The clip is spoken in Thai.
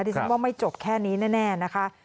รู้สึกว่าไม่จบแค่นี้แน่นะคะ